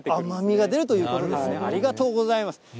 甘みが出るということですね、ありがとうございます。